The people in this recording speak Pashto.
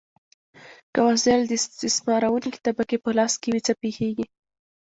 که وسایل د استثمارونکې طبقې په لاس کې وي، څه پیښیږي؟